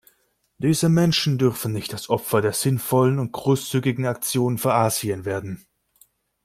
Diese Menschen dürfen nicht das Opfer der sinnvollen und großzügigen Aktionen für Asien werden.